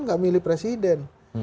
tidak milih presiden